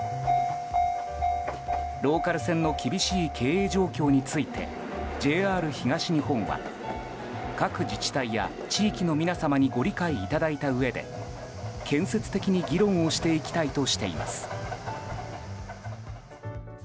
ローカル線の厳しい経営状況についてＪＲ東日本は、各自治体や地域の皆様にご理解いただいたうえで建設的に議論をしていきたいとしています。